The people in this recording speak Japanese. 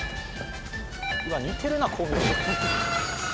似てるなこう見ると。